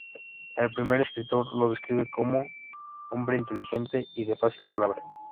El primer escritor lo describe como "hombre inteligente y de fácil palabra".